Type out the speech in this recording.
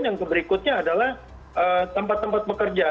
yang berikutnya adalah tempat tempat bekerja